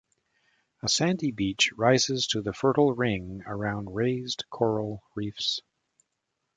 A sandy beach rises to the fertile ring around raised coral reefs.